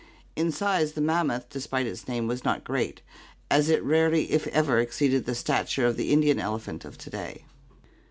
In size the mammoth, despite its name, was not great, as it rarely if ever exceeded the stature of the Indian elephant of to day.